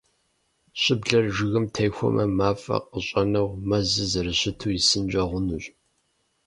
Щыблэр жыгым техуэмэ, мафӀэ къыщӏэнэу, мэзыр зэрыщыту исынкӏэ хъунущ.